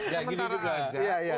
ya gini juga